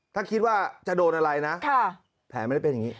ถ้าคิดว่าจะโดนอะไรนะแผลไม่ได้เป็นอย่างนี้